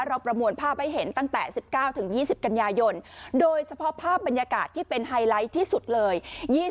ประมวลภาพให้เห็นตั้งแต่๑๙๒๐กันยายนโดยเฉพาะภาพบรรยากาศที่เป็นไฮไลท์ที่สุดเลย